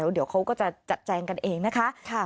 เดี๋ยวเขาก็จะจัดแจงกันเองนะคะ